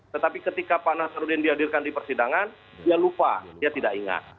tetapi ketika pak nasaruddin dihadirkan di persidangan dia lupa dia tidak ingat